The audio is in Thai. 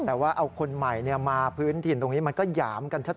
แต่ว่าเอาคนใหม่มาพื้นถิ่นตรงนี้มันก็หยามกันชัด